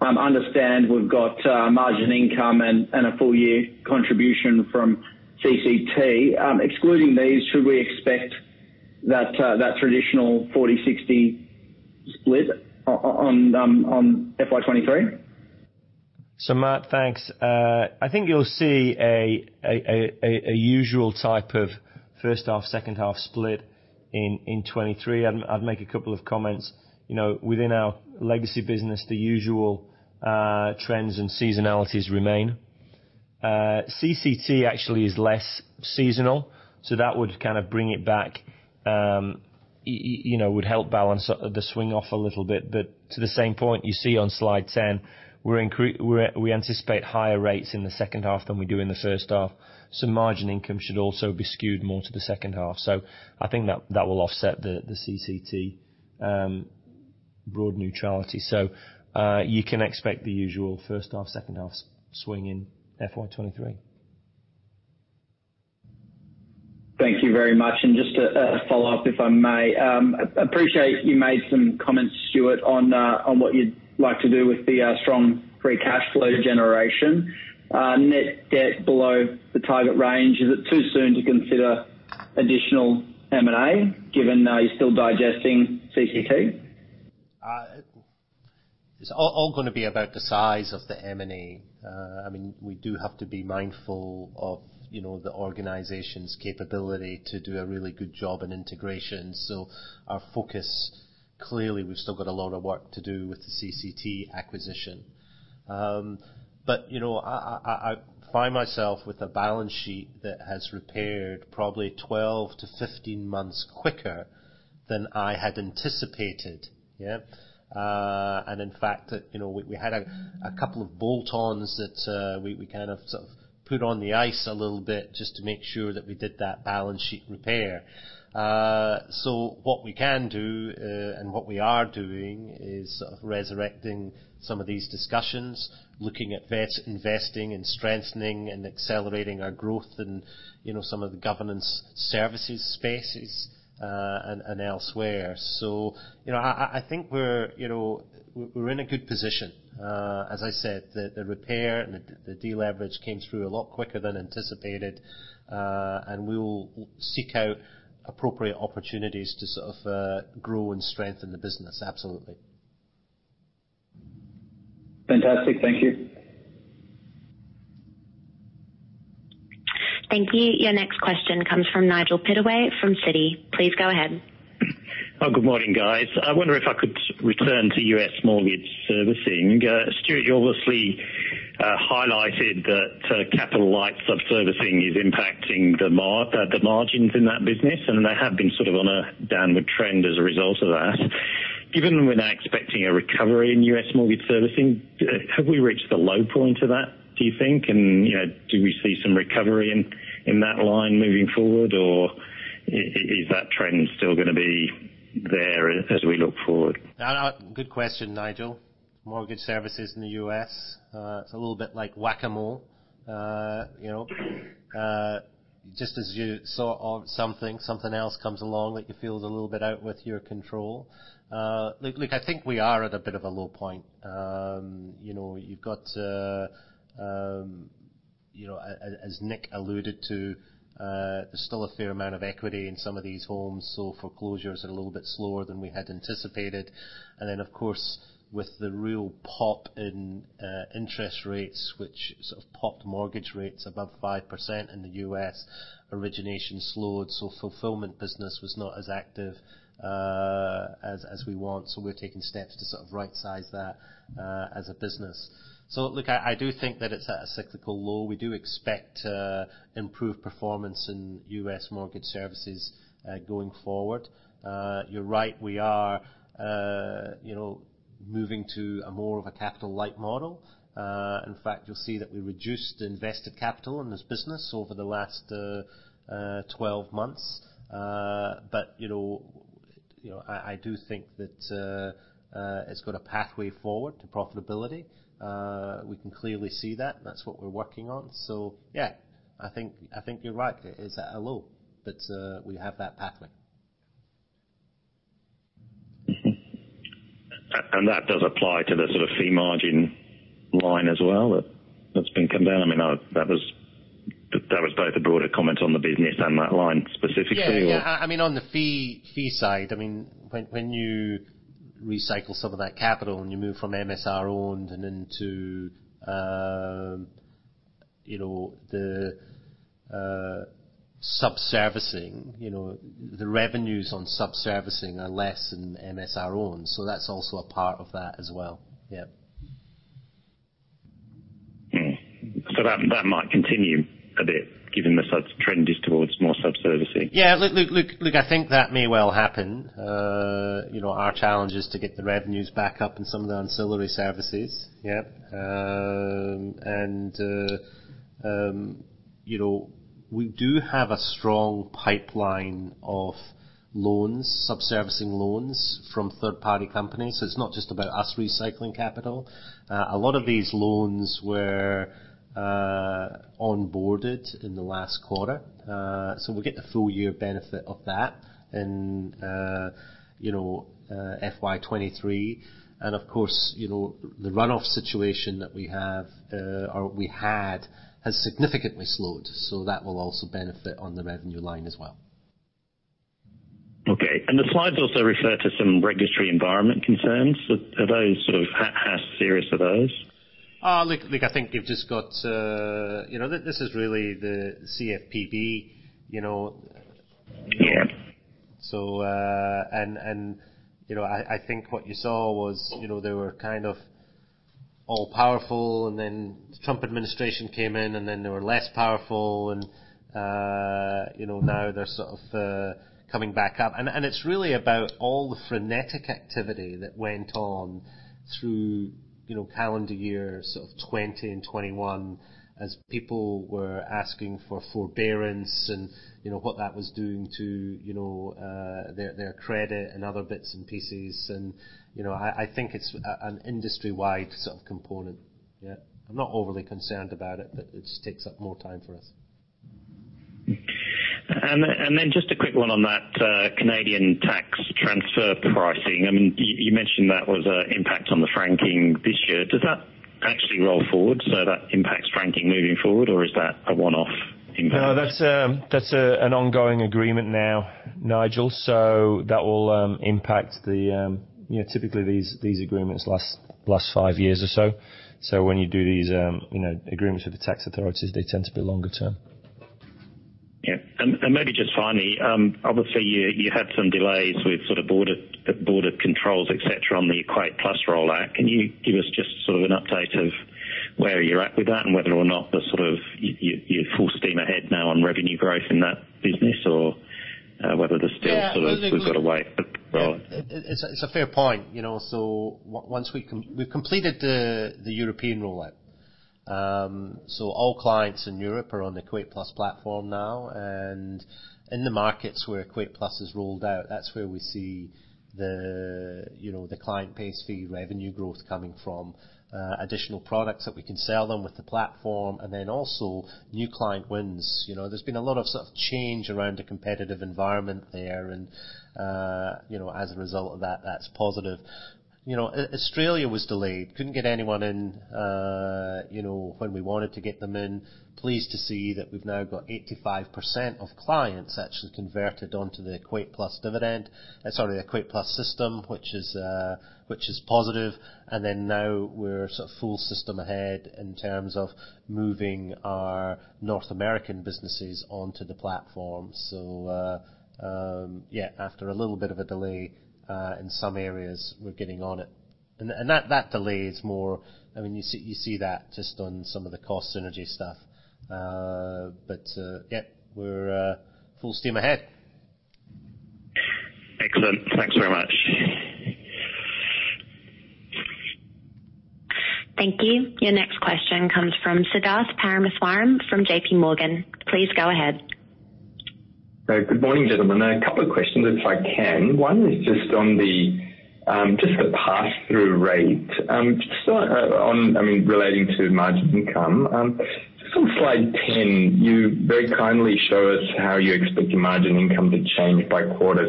Understand we've got margin income and a full year contribution from CCT. Excluding these, should we expect that traditional 40-60 split on FY 2023? Matt, thanks. I think you'll see a usual type of first half, second half split in 2023. I'd make a couple of comments. You know, within our legacy business, the usual trends and seasonalities remain. CCT actually is less seasonal, so that would kind of bring it back, you know, would help balance the swing off a little bit. To the same point, you see on slide 10, we anticipate higher rates in the second half than we do in the first half. Margin income should also be skewed more to the second half. I think that will offset the CCT broad neutrality. You can expect the usual first half, second half swing in FY 2023. Thank you very much. Just a follow-up, if I may. I appreciate you made some comments, Stuart, on what you'd like to do with the strong free cash flow generation. Net debt below the target range, is it too soon to consider additional M&A given that you're still digesting CCT? It's all gonna be about the size of the M&A. I mean, we do have to be mindful of, you know, the organization's capability to do a really good job in integration. Our focus, clearly, we've still got a lot of work to do with the CCT acquisition. I find myself with a balance sheet that has repaired probably 12-15 months quicker than I had anticipated. In fact, you know, we had a couple of bolt-ons that we kind of, sort of put on the ice a little bit just to make sure that we did that balance sheet repair. What we can do and what we are doing is sort of resurrecting some of these discussions, looking at investing and strengthening and accelerating our growth in, you know, some of the Governance Services spaces, and elsewhere. I think we're, you know, in a good position. As I said, the repair and the de-leverage came through a lot quicker than anticipated, and we will seek out appropriate opportunities to sort of grow and strengthen the business. Absolutely. Fantastic. Thank you. Thank you. Your next question comes from Nigel Pittaway from Citi. Please go ahead. Good morning, guys. I wonder if I could return to U.S. mortgage servicing. Stuart, you obviously highlighted that capital light sub-servicing is impacting the margins in that business, and they have been sort of on a downward trend as a result of that. Given we're now expecting a recovery in U.S. mortgage servicing, have we reached the low point of that, do you think? You know, do we see some recovery in that line moving forward, or is that trend still gonna be there as we look forward? Good question, Nigel. Mortgage Services in the U.S., it's a little bit like whack-a-mole. You know, just as you sort something else comes along that you feel is a little bit out of your control. I think we are at a bit of a low point. You know, you've got to, you know, as Nick alluded to, there's still a fair amount of equity in some of these homes, so foreclosures are a little bit slower than we had anticipated. Then, of course, with the real pop in interest rates, which sort of popped mortgage rates above 5% in the U.S., origination slowed, so fulfillment business was not as active, as we want. We're taking steps to sort of right-size that, as a business. Look, I do think that it's at a cyclical low. We do expect improved performance in U.S. Mortgage Services going forward. You're right, we are, you know, moving to more of a capital-light model. In fact, you'll see that we reduced invested capital in this business over the last 12 months. You know, I do think that it's got a pathway forward to profitability. We can clearly see that, and that's what we're working on. Yeah, I think you're right. It's at a low, but we have that pathway. Mm-hmm. That does apply to the sort of fee margin line as well, that's been coming down? I mean, that was both a broader comment on the business and that line specifically or- Yeah. I mean, on the fee side, I mean, when you recycle some of that capital and you move from MSR owned and into, you know, the sub-servicing, you know, the revenues on sub-servicing are less than MSR owned, so that's also a part of that as well. Yeah. That might continue a bit given the sort of trend is towards more sub-servicing. Yeah. Look, I think that may well happen. You know, our challenge is to get the revenues back up in some of the ancillary services. Yeah. You know, we do have a strong pipeline of loans, sub-servicing loans from third-party companies. So it's not just about us recycling capital. A lot of these loans were onboarded in the last quarter. So we'll get the full year benefit of that in FY 2023. Of course, you know, the run-off situation that we have, or we had, has significantly slowed, so that will also benefit on the revenue line as well. Okay. The slides also refer to some regulatory environment concerns. Are those sort of how serious are those? Look, I think you've just got to. You know, this is really the CFPB, you know. Yeah. You know, I think what you saw was, you know, they were kind of all-powerful, and then Trump Administration came in, and then they were less powerful and, you know, now they're sort of coming back up. It's really about all the frenetic activity that went on through, you know, calendar year sort of 2020 and 2021 as people were asking for forbearance and, you know, what that was doing to, you know, their credit and other bits and pieces and, you know, I think it's an industry-wide sort of component. Yeah. I'm not overly concerned about it, but it just takes up more time for us. just a quick one on that, Canadian tax transfer pricing. I mean, you mentioned that was an impact on the franking this year. Does that actually roll forward, so that impacts franking moving forward? Or is that a one-off impact? No, that's an ongoing agreement now, Nigel. That will impact the. You know, typically, these agreements last five years or so. When you do these agreements with the tax authorities, they tend to be longer term. Yeah. Maybe just finally, obviously you had some delays with sort of border controls, etc., on the EquatePlus rollout. Can you give us just sort of an update of where you're at with that and whether or not you're full steam ahead now on revenue growth in that business or whether there's still sort of- Yeah. We've gotta wait for the rollout. It's a fair point, you know. We've completed the European rollout. All clients in Europe are on the EquatePlus platform now. In the markets where EquatePlus is rolled out, that's where we see the, you know, the client base fee revenue growth coming from, additional products that we can sell them with the platform, and then also new client wins. You know, there's been a lot of sort of change around the competitive environment there and, you know, as a result of that's positive. You know, Australia was delayed. Couldn't get anyone in, you know, when we wanted to get them in. Pleased to see that we've now got 85% of clients actually converted onto the EquatePlus dividend. Sorry, the EquatePlus system, which is positive. Now we're sort of full steam ahead in terms of moving our North American businesses onto the platform. After a little bit of a delay in some areas, we're getting on it. That delay is more I mean, you see that just on some of the cost synergy stuff. But we're full steam ahead. Excellent. Thanks very much. Thank you. Your next question comes from Siddharth Parameswaran from JPMorgan. Please go ahead. Good morning, gentlemen. A couple of questions, if I can. One is just on the pass-through rate. Just on, I mean, relating to margin income. Just on slide 10, you very kindly show us how you expect your margin income to change by quarter.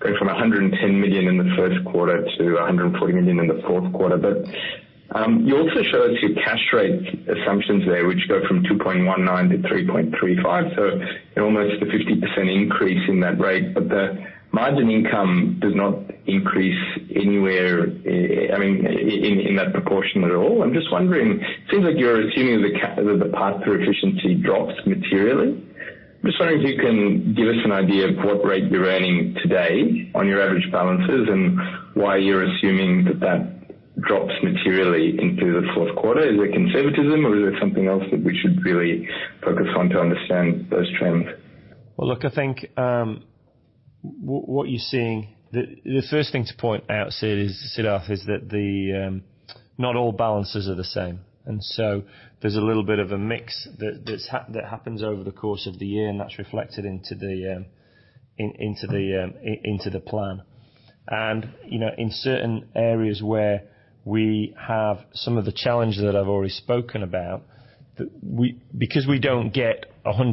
Going from $110 million in the first quarter to $140 million in the fourth quarter. You also show us your cash rate assumptions there, which go from 2.19% to 3.35%, so almost a 50% increase in that rate. The margin income does not increase anywhere, I mean, in that proportion at all. I'm just wondering, it seems like you're assuming that the pass-through efficiency drops materially. I'm just wondering if you can give us an idea of what rate you're earning today on your average balances and why you're assuming that that drops materially into the fourth quarter. Is it conservatism or is it something else that we should really focus on to understand those trends? Well, look, I think what you're seeing. The first thing to point out, Siddharth, is that not all balances are the same. There's a little bit of a mix that happens over the course of the year, and that's reflected into the plan. You know, in certain areas where we have some of the challenges that I've already spoken about, because we don't get 100%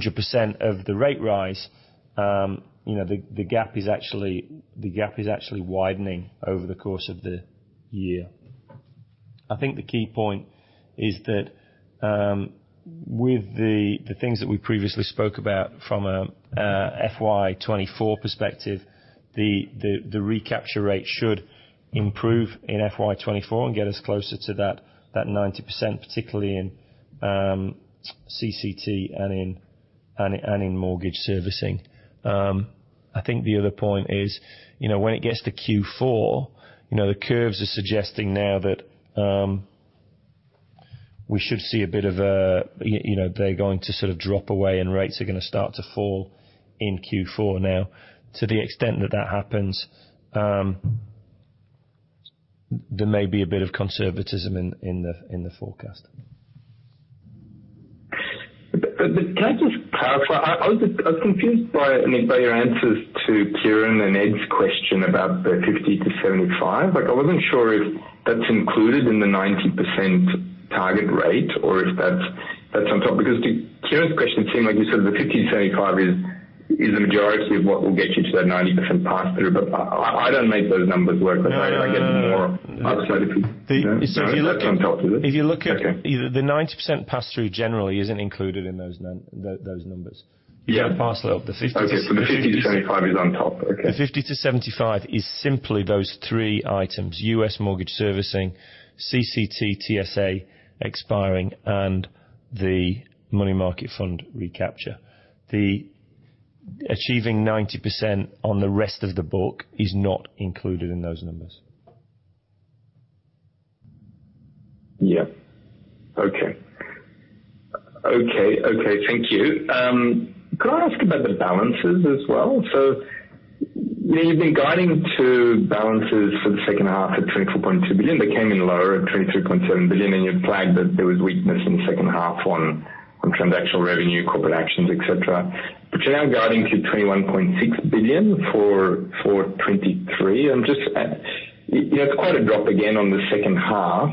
of the rate rise, you know, the gap is actually widening over the course of the year. I think the key point is that, with the things that we previously spoke about from a FY 2024 perspective, the recapture rate should improve in FY 2024 and get us closer to that 90%, particularly in CCT and in mortgage servicing. I think the other point is, you know, when it gets to Q4, you know, the curves are suggesting now that we should see a bit of a you know, they're going to sort of drop away and rates are gonna start to fall in Q4 now. To the extent that that happens, there may be a bit of conservatism in the forecast. Can I just clarify? I was confused, Nick, by your answers to Kieran and Ed's question about the $50 million-$75 million. Like, I wasn't sure if that's included in the 90% target rate or if that's on top. Because to Kieran's question, it seemed like you said the $50 million-$75 million is the majority of what will get you to that 90% pass-through. I don't make those numbers work. No, no, no. Because I get more upside if you. So if you look at- No? That's on top of it? If you look at. Okay. The 90% pass-through generally isn't included in those numbers. Yeah. Pass through of the $50 million-$75 million. Okay. The $50 million-$75 million is on top. Okay. The $50 million-$75 million is simply those three items, U.S. mortgage servicing, CCT TSA expiring, and the money market fund recapture. The achieving 90% on the rest of the book is not included in those numbers. Yeah. Okay. Thank you. Could I ask about the balances as well? You've been guiding to balances for the second half at $24.2 billion. They came in lower at $23.7 billion, and you flagged that there was weakness in the second half on transactional revenue, corporate actions, et cetera. You're now guiding to $21.6 billion for 2023. You know, it's quite a drop again on the second half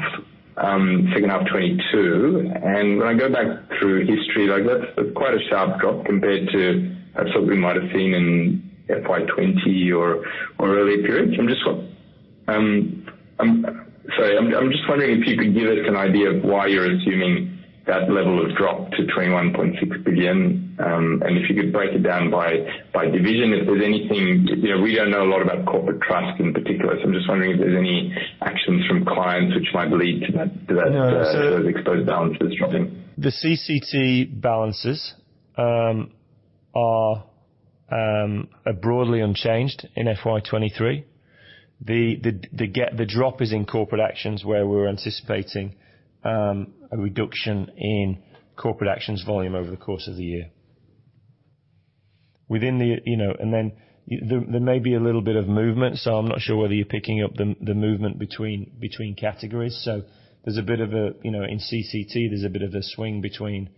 2022. When I go back through history, like that's quite a sharp drop compared to sort of we might have seen in FY 2020 or early periods. I'm just wondering if you could give us an idea of why you're assuming that level of drop to $21.6 billion. If you could break it down by division, if there's anything. You know, we don't know a lot about corporate trust in particular. I'm just wondering if there's any actions from clients which might lead to that. No. Due to those exposed balances dropping. The CCT balances are broadly unchanged in FY 2023. The drop is in corporate actions where we're anticipating a reduction in corporate actions volume over the course of the year. Within the you know, there may be a little bit of movement, so I'm not sure whether you're picking up the movement between categories. You know, in CCT, there's a bit of a swing between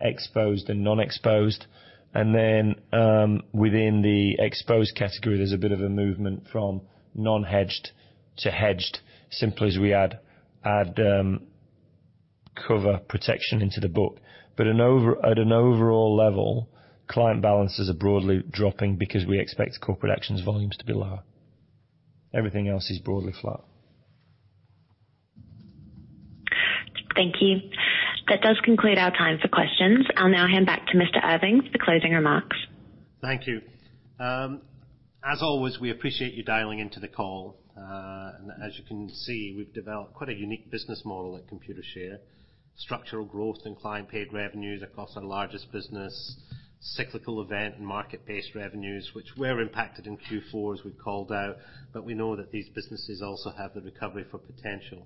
exposed and non-exposed. Within the exposed category, there's a bit of a movement from non-hedged to hedged simply as we add cover protection into the book. At an overall level, client balances are broadly dropping because we expect corporate actions volumes to be lower. Everything else is broadly flat. Thank you. That does conclude our time for questions. I'll now hand back to Mr. Irving for closing remarks. Thank you. As always, we appreciate you dialing into the call. As you can see, we've developed quite a unique business model at Computershare. Structural growth and client paid revenues across our largest business. Cyclical event and market-based revenues, which were impacted in Q4, as we called out, but we know that these businesses also have the potential for recovery.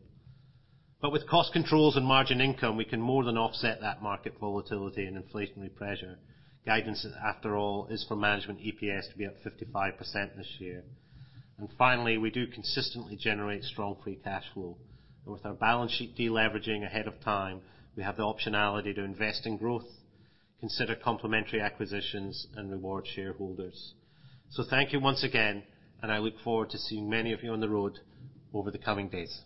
With cost controls and margin income, we can more than offset that market volatility and inflationary pressure. Guidance, after all, is for management EPS to be up 55% this year. Finally, we do consistently generate strong free cash flow. With our balance sheet deleveraging ahead of time, we have the optionality to invest in growth, consider complementary acquisitions, and reward shareholders. Thank you once again, and I look forward to seeing many of you on the road over the coming days.